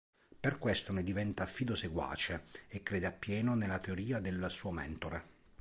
Per questo ne diventa fido seguace e crede appieno nella teoria del suo mentore.